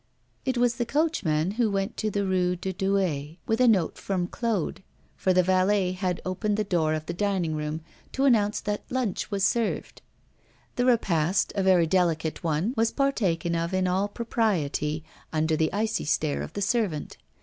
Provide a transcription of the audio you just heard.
It was the coachman who went to the Rue de Douai with a note from Claude, for the valet had opened the door of the dining room, to announce that lunch was served. The repast, a very delicate one, was partaken of in all propriety, under the icy stare of the servant.